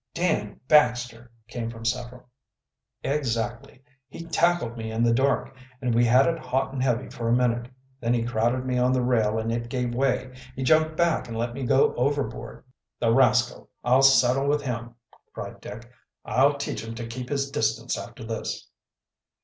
"Dan Baxter!" came from several. "Exactly. He tackled me in the dark, and we had it hot and heavy for a minute. Then he crowded me on the rail, and it gave way. He jumped back and let me go overboard." "The rascal! I'll settle with him!" cried Dick. "I'll teach him to keep his distance after this!"